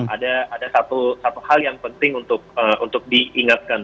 ada satu hal yang penting untuk diingatkan